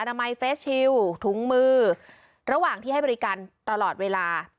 นามัยเฟสชิลถุงมือระหว่างที่ให้บริการตลอดเวลา